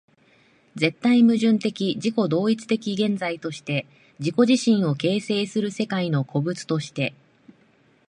絶対矛盾的自己同一的現在として自己自身を形成する世界の個物として、